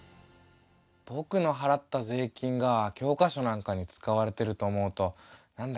ぼくの払った税金が教科書なんかに使われてると思うとなんだかうれしいなあ。